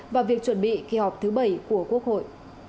và việc chuẩn bị kỳ họp thứ bảy của quốc hội